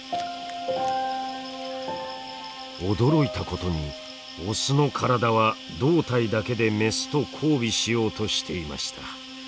驚いたことにオスの体は胴体だけでメスと交尾しようとしていました。